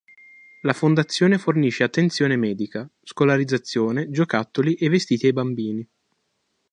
La fondazione fornisce attenzione medica, scolarizzazione, giocattoli e vestiti ai bambini.